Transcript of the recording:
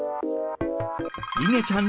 いげちゃん